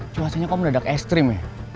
cuacanya kok mendadak estrim ya